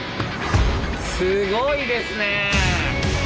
すごいですね！